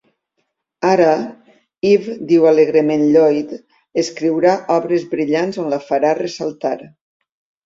Ara, Eve diu alegrement Lloyd escriurà obres brillants on la farà ressaltar.